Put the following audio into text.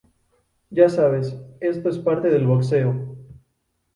Ya sabes, esto es parte del boxeo.